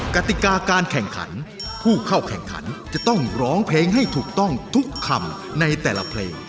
กติกาการแข่งขันผู้เข้าแข่งขันจะต้องร้องเพลงให้ถูกต้องทุกคำในแต่ละเพลง